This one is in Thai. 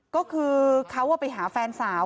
ก็คือเขาไปหาแฟนสาว